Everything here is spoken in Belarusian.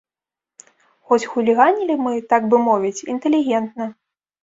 Хоць хуліганілі мы, так бы мовіць, інтэлігентна.